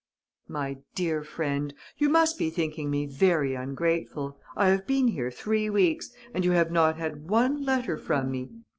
"MY DEAR FRIEND, "You must be thinking me very ungrateful. I have been here three weeks; and you have had not one letter from me!